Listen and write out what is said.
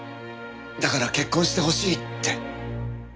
だから結婚してほしいって。